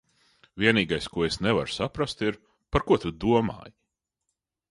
Vienīgais, ko es nevaru saprast, ir, par ko tu domāji?